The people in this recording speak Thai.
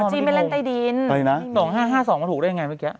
จี้ไม่เล่นใต้ดิน๒๕๕๒มันถูกได้ยังไงเมื่อกี้